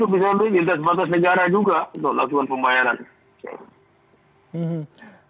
jadi saya beri dintas batas negara juga untuk laksuan pembayaran